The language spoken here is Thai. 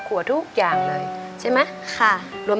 เพลงที่๖นะครับ